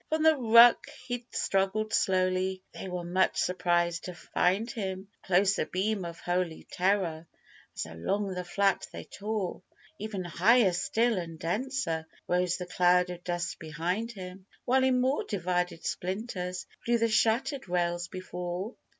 From the ruck he'd struggled slowly they were much surprised to find him Close abeam of Holy Terror as along the flat they tore Even higher still and denser rose the cloud of dust behind him, While in more divided splinters flew the shattered rails before.